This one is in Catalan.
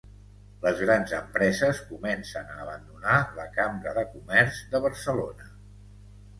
Les grans empreses comencen a abandonar la Cambra de Comerç de Barcelona.